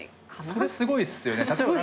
それすごいっすよね。